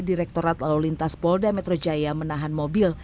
direktorat lalu lintas polda metro jaya menahan mobil